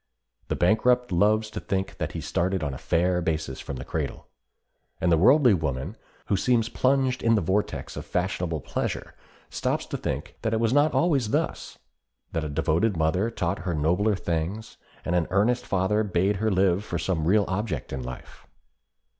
The bankrupt loves to think that he started on a fair basis from the cradle. And the worldly woman, who seems plunged in the vortex of fashionable pleasure, stops to think that it was not always thus, that a devoted mother taught her nobler things, and an earnest father bade her live for some real object in life.